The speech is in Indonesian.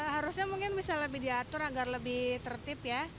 harusnya mungkin bisa lebih diatur agar lebih tertib ya